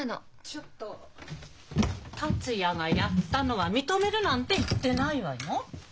ちょっと「達也がやったのは認める」なんて言ってないわよ。